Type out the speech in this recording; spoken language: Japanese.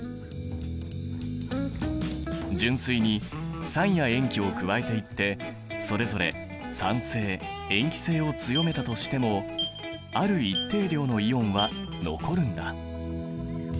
純水に酸や塩基を加えていってそれぞれ酸性塩基性を強めたとしてもある一定量のイオンは残るんだ。